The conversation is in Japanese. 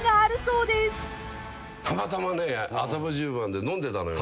たまたまね麻布十番で飲んでたのよ。